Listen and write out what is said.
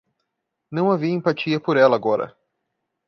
Não havia empatia por ela agora.